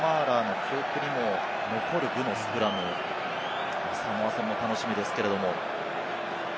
ジョー・マーラーの記憶にも残る具のスクラム、サモア戦も楽しみですけれども。